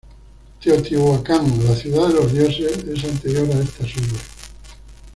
Teotihuacán, la ciudad de los dioses, es anterior a estas urbes.